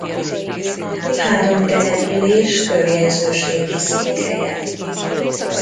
Három település körjegyzőségi székhelye.